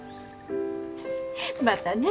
またね。